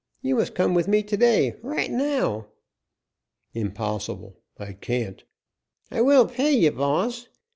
You must come with me to day right now!" "Impossible; I can't " "I will pay ye, boss.